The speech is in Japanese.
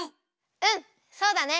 うんそうだね！